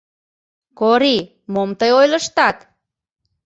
Корий, мом тый ойлыштат?